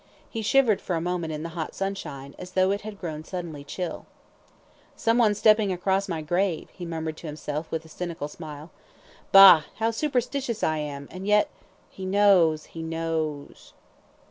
He shivered for a moment in the hot sunshine, as though it had grown suddenly chill. "Someone stepping across my grave," he murmured to himself, with a cynical smile. "Bah! how superstitious I am, and yet he knows, he knows!"